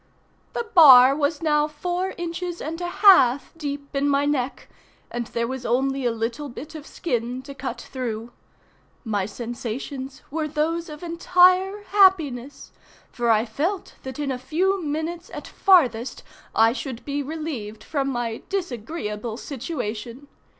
The bar was now four inches and a half deep in my neck, and there was only a little bit of skin to cut through. My sensations were those of entire happiness, for I felt that in a few minutes, at farthest, I should be relieved from my disagreeable situation.